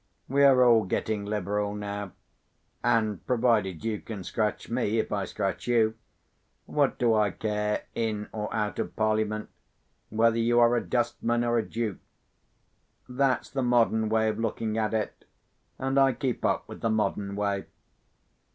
We are all getting liberal now; and (provided you can scratch me, if I scratch you) what do I care, in or out of Parliament, whether you are a Dustman or a Duke? That's the modern way of looking at it—and I keep up with the modern way.